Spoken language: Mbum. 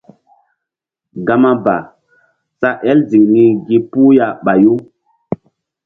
Gama ba sa el ziŋ ni gi puh ya ɓayu.